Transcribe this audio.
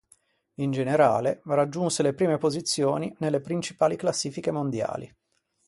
In generale, raggiunse le prime posizioni nelle principali classifiche mondiali.